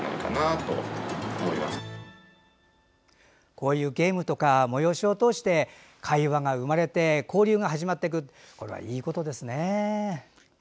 こういうゲームとか催しを通して会話が生まれて交流が始まっていくこれはいいことですね。